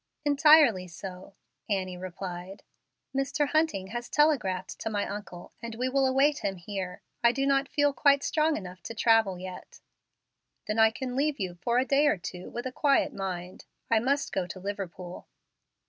"Entirely so," Annie replied. "Mr. Hunting has telegraphed to my uncle, and we will await him here. I do not feel quite strong enough to travel yet." "Then I can leave you for a day or two with a quiet mind. I must go to Liverpool."